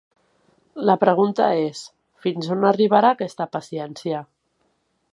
La pregunta és: fins on arribarà aquesta paciència?